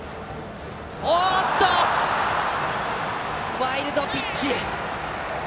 ワイルドピッチ。